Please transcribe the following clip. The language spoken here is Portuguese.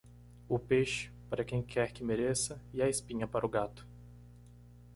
O peixe, para quem quer que mereça, e a espinha para o gato.